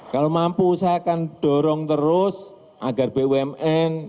kalau mampu saya akan dorong terus agar bumn